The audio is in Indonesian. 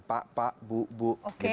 pak pak bu bu